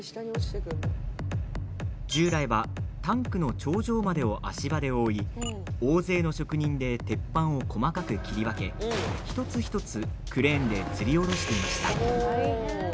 従来はタンクの頂上までを足場で覆い大勢の職人で鉄板を細かく切り分け一つ一つクレーンでつり下ろしていました。